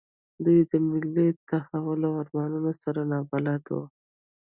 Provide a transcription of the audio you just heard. دوی د ملي تحول له ارمانونو سره نابلده وو.